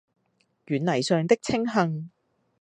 軟泥上的青荇